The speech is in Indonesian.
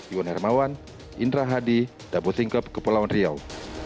iwan hermawan indra hadi dabo singkep kepulauan riau